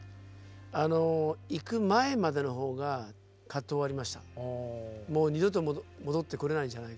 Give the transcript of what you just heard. あの行く前までの方が葛藤はありました。